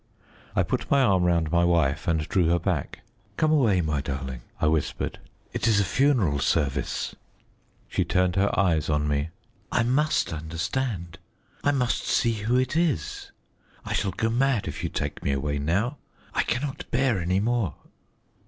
I put my arm round my wife and drew her back. "Come away, my darling," I whispered; "it is a funeral service." She turned her eyes on me. "I must understand, I must see who it is. I shall go mad if you take me away now. I cannot bear any more."